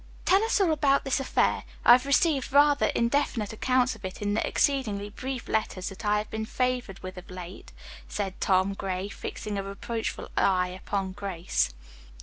"Tell us all about this affair. I received rather indefinite accounts of it in the exceedingly brief letters that I have been favored with of late," said Tom Gray, fixing a reproachful eye upon Grace.